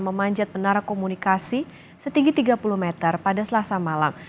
memanjat menara komunikasi setinggi tiga puluh meter pada selasa malam